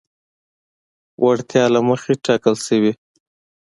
وړتیا له مخې ټاکل شوي.